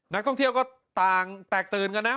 นักท่องเที่ยวก็ต่างแตกตื่นกันนะ